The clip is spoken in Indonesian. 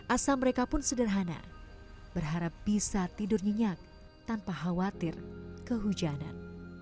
asal mereka pun sederhana berharap bisa tidur nyenyak tanpa khawatir kehujanan